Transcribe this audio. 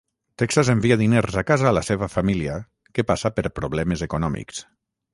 Texas envia diners a casa a la seva família, que passa per problemes econòmics.